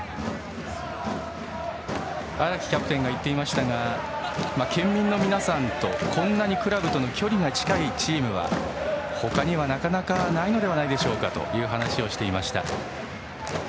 荒木キャプテンが言っていましたが県民の皆さんとこんなにクラブとの距離が近いチームはほかにはなかなかないのではないでしょうかという話をしていました。